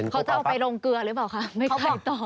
เขาจะเอาไปลงเกลือรึเปล่าคะ